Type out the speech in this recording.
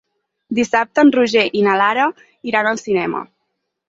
Dissabte en Roger i na Lara iran al cinema.